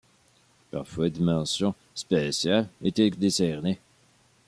Parfois, des mentions spéciales étaient décernées.